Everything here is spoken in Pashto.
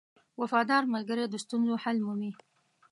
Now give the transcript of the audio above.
• وفادار ملګری د ستونزو حل مومي.